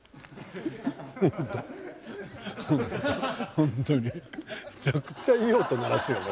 本当にめちゃくちゃいい音鳴らすよね。